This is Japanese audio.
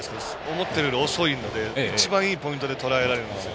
思ったより遅いので一番いいポイントでとらえられるんですよ。